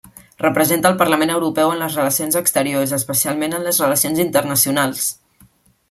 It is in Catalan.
Representa al Parlament Europeu en les relacions exteriors, especialment en les relacions internacionals.